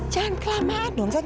jangan kelamaan dong zat